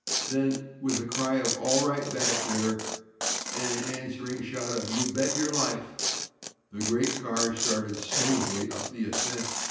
Then with a cry of "All right back there?" and an answering shout of "You bet your life," the great car started smoothly up the ascent.